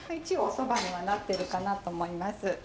一応お蕎麦にはなってるかなと思います。